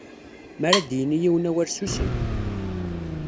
Mi ara d-yini yiwen awal susem.